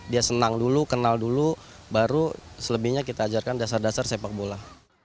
dia senang dulu kenal dulu baru selebihnya kita ajarkan dasar dasar sepak bola